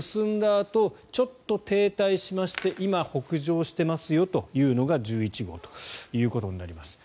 あとちょっと停滞しまして今、北上していますよというのが１１号ということになります。